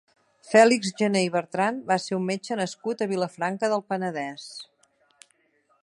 Fèlix Janer i Bertran va ser un metge nascut a Vilafranca del Penedès.